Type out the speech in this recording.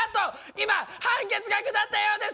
今判決が下ったようです！